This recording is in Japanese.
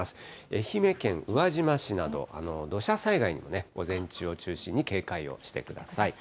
愛媛県宇和島市など、土砂災害にも午前中を中心に警戒をしてください。